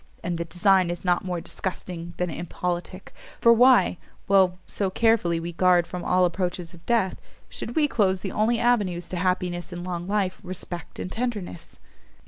and the design is not more disgusting than impolitic; for why, while so carefully we guard from all approaches of death, should we close the only avenues to happiness in long life, respect and tenderness?"